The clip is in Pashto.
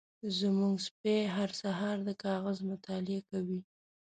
زمونږ سپی هر سهار د کاغذ مطالعه کوي.